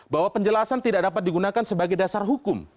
bahwa penjelasan tidak dapat digunakan sebagai dasar hukum